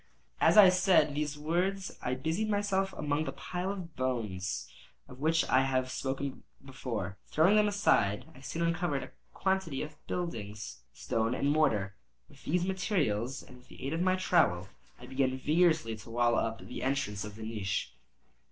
As I said these words I busied myself among the pile of bones of which I have before spoken. Throwing them aside, I soon uncovered a quantity of building stone and mortar. With these materials and with the aid of my trowel, I began vigorously to wall up the entrance of the niche.